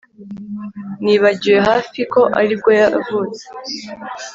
Nibagiwe hafi ko aribwo yavutse